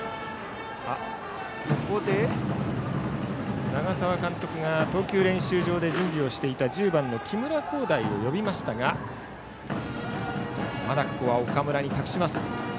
ここで、長澤監督が投球練習場で準備をしていた１０番の木村晃大を呼びましたがまだここは岡村に託します。